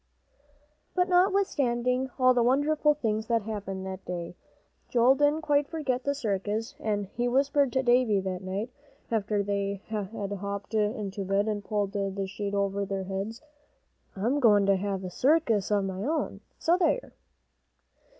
But notwithstanding all the wonderful things that happened that day, Joel didn't quite forget the circus, and he whispered to David that night, after they had hopped into bed, and pulled the sheet over their heads, "I'm goin' to have a circus of my own, so there!"